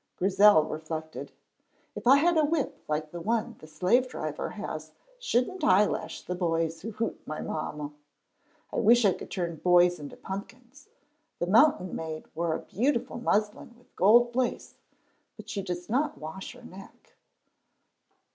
Grizel reflected: "If I had a whip like the one the Slave driver has shouldn't I lash the boys who hoot my mamma! I wish I could turn boys into pumpkins. The Mountain Maid wore a beautiful muslin with gold lace, but she does not wash her neck."